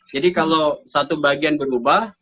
jadi kalau satu bagian berubah